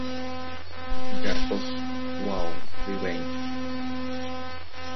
Garcos vows revenge.